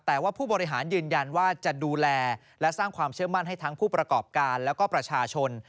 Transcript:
แต่ว่าผู้บริหารยืนยันว่าจะดูแลและสร้างความเชื่อมั่นให้ทั้งผู้ประกอบการแล้วก็ประชาชน